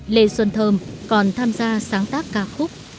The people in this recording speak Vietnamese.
lê xuân thơm còn tham gia sáng tác ca khúc